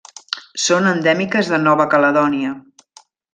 Són endèmiques de Nova Caledònia.